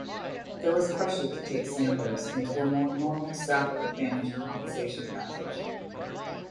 There was pressure to take Sambo's into a more normal salaried manager compensation package.